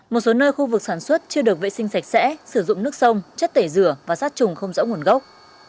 một số nơi khu vực sản xuất chưa được vệ sinh sạch sẽ sử dụng nước sông chất tẩy rửa và sát trùng không rõ nguồn gốc